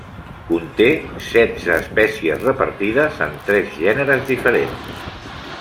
Conté setze espècies repartides en tres gèneres diferents.